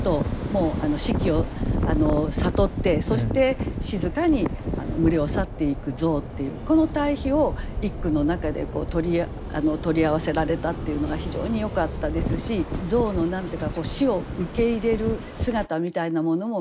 もう死期を悟ってそして静かに群れを去っていく象っていうこの対比を一句の中で取り合わせられたっていうのが非常によかったですし象の何て言うか死を受け入れる姿みたいなものも見えて